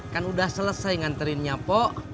kan udah selesai nganterinnya po